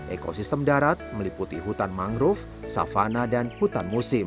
ekosistem darat meliputi hutan mangrove savana dan hutan musim